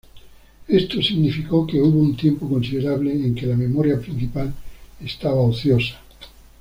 Esto significó que hubo un tiempo considerable en que la memoria principal estaba ociosa.